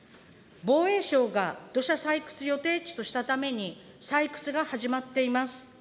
防衛省が土砂採掘予定地としたために、採掘が始まっています。